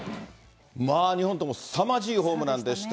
まあ２本ともすさまじいホームランでした。